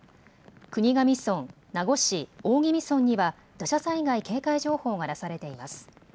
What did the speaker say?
国頭村、名護市、大宜味村には土砂災害警戒情報が出されています。